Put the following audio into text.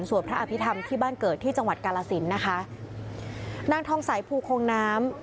พระอภิษฐรรมที่บ้านเกิดที่จังหวัดกาลสินนะคะนางทองใสภูคงน้ำ